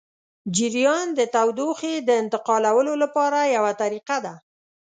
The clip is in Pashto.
جریان د تودوخې د انتقالولو لپاره یوه طریقه ده.